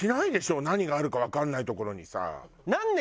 何があるかわかんない所にさ。